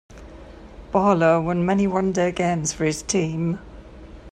Barlow won many one-day games for his team.